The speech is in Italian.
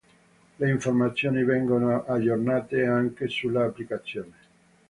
Le informazioni vengono aggiornate anche sulla applicazione.